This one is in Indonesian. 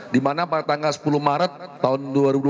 di mana pada tanggal sepuluh maret tahun dua ribu dua puluh